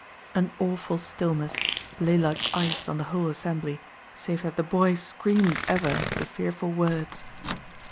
An awful stillness lay like ice on the whole assembly, save that the boy screamed ever the fearful words.